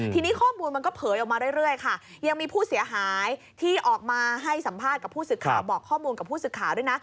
ทีนี้ข้อมูลมันก็เผยออกมาเรื่อยค่ะยังมีผู้เสียหายที่ออกมาให้สัมภาษณ์กับผู้สื่อข่าวบอกข้อมูลกับผู้สื่อข่าวด้วยนะ